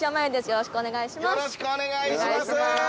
◆よろしくお願いします。